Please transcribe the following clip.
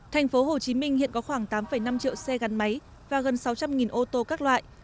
thành phố hồ chí minh hiện có khoảng tám năm triệu xe gắn máy và gần sáu trăm linh ô tô các loại